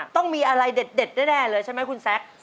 ต้องมีอะไรเด็ดแน่เลยใช่ไหมคุณแซค